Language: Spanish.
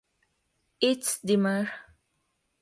It's the Mr.